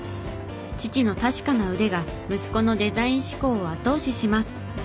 父の確かな腕が息子のデザイン思考を後押しします。